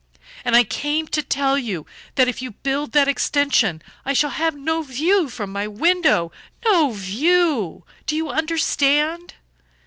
"And I came to tell you that if you build that extension I shall have no view from my window no view! Do you understand?"